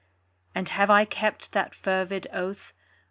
And have I kept that fervid oath?